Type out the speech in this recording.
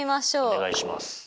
お願いします。